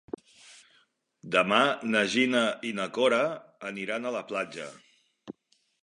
Demà na Gina i na Cora aniran a la platja.